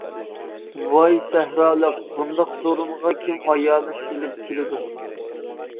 ۋاي سەھرالىق بۇنداق سورۇنغا كىم ئايالىنى ئېلىپ كېلىدۇ.